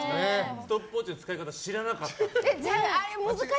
ストップウォッチの使い方知らなかった。